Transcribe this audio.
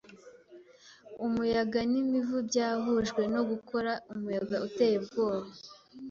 Umuyaga n'imvura byahujwe no gukora umuyaga uteye ubwoba.